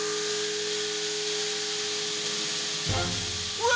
うわ！